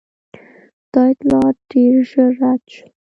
دا اطلاعات ډېر ژر رد شول.